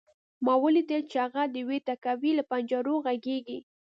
ما ولیدل چې هغه د یوې تهکوي له پنجرو غږېږي